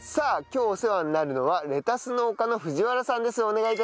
今日お世話になるのはレタス農家の藤原さんです。